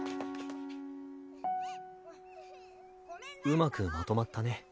うまくまとまったね。